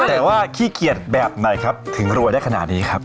แต่ว่าขี้เกียจแบบไหนครับถึงรวยได้ขนาดนี้ครับ